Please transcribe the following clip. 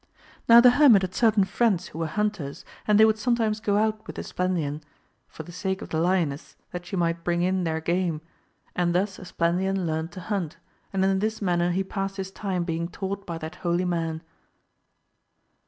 Now the hermit had certain friends who were hunters, and they would sometimes go out with Esplandian, for the sake of the lioness that she might bring in their game, and thus Esplandian learned to hunt, and in this manner \q passed his time being taught by that holy man.